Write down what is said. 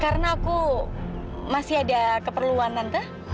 karena aku masih ada keperluan tante